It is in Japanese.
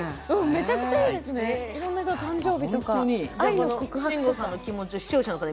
めちゃくちゃいいですね、誕生日とか愛の告白とか。